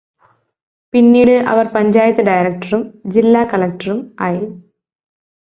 പിന്നീട് അവര് പഞ്ചായത്ത് ഡയറക്റ്ററും ജില്ലാ കലക്റ്ററും ആയി.